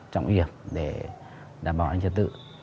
trọng nghiệp để đảm bảo an ninh thực tự